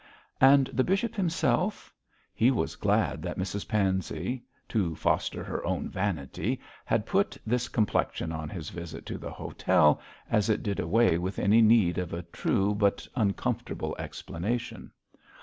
And the bishop himself? He was glad that Mrs Pansey, to foster her own vanity, had put this complexion on his visit to the hotel, as it did away with any need of a true but uncomfortable explanation.